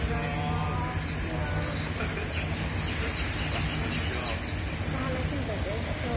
ハハハあっこんにちは。